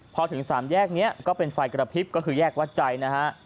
พอถึงสามแยกนี้ก็เป็นไฟกระพริบก็คือแยกวัดใจนะฮะ